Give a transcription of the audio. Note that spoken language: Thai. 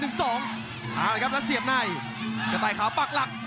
เอาละครับแล้วเสียบในกระต่ายขาวปักหลัก